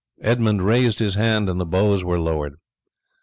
Edmund raised his hand and the bows were lowered.